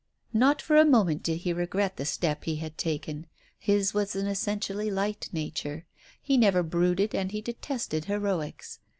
Not for a moment did he regret the step he had taken, his was an essentially light nature, he never brooded, and he detested heroics.